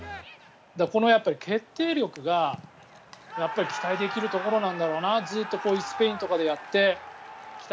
だから決定力が期待できるところなんだろうなずっとこういうスペインとかでやってきた